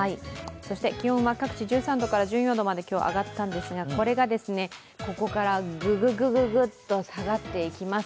気温は各地１３度から１４度まで上がったんですがこれがここからぐぐぐぐぐっと下がっていきます。